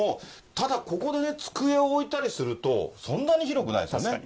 ただここで机を置いたりすると、そんなに広くないですよね。